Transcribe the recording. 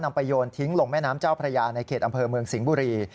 ไปโยนทิ้งลงแม่น้ำเจ้าพระยาในเขตอำเภอเมืองสิงห์บุรี